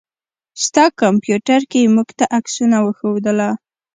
ستا کمپيوټر کې يې موږ ته عکسونه وښودله.